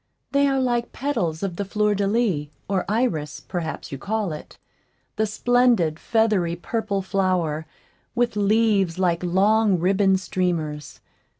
They are like petals of the fleur de lis, or iris, perhaps you call it the splendid, feathery, purple flower, with leaves like long ribbon streamers.